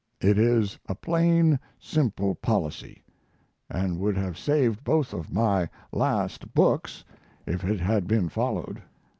It is a plain, simple policy, and would have saved both of my last books if it had been followed.